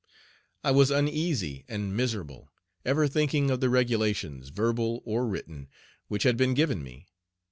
I was uneasy and miserable, ever thinking of the regulations, verbal or written, which had been given me.